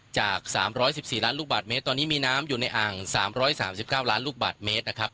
จากสามร้อยสิบสี่ล้านลูกบาทเมตรตอนนี้มีน้ำอยู่ในอ่างสามร้อยสามสิบเก้าล้านลูกบาทเมตรนะครับ